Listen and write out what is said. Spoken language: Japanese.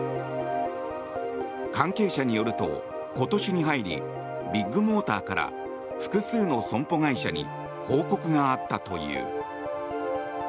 関係者によると今年に入り、ビッグモーターから複数の損保会社に報告があったという。